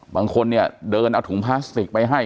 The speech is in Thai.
บางคนเนี่ยเดินเอาถุงพลาสติกไปให้